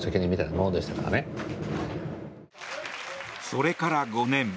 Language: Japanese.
それから５年。